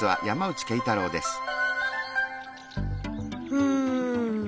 うん。